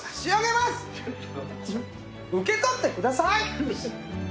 受け取ってください。